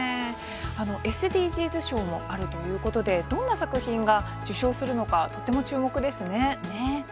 ＳＤＧｓ賞もあるということでどんな作品が受賞するのかとても注目ですね。